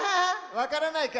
わからないか。